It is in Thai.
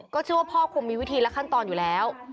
เชื่อว่าพ่อคงมีวิธีและขั้นตอนอยู่แล้ว